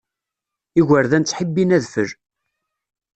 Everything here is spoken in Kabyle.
Igerdan ttḥibbin adfel.